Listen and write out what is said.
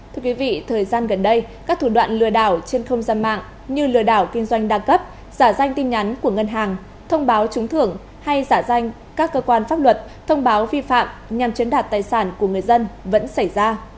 thưa quý vị thời gian gần đây các thủ đoạn lừa đảo trên không gian mạng như lừa đảo kinh doanh đa cấp giả danh tin nhắn của ngân hàng thông báo trúng thưởng hay giả danh các cơ quan pháp luật thông báo vi phạm nhằm chiếm đoạt tài sản của người dân vẫn xảy ra